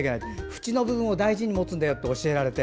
ふちを大事に持つんだよと教えられて。